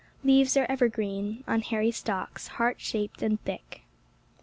Leaves are evergreen — on hairy stalks, heart shaped and thick.